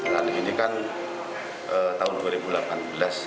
nah ini kan tahun dua ribu delapan belas